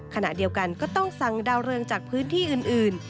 ขณะเดียวกันก็ต้องสั่งดาวเรืองจากพื้นที่อื่น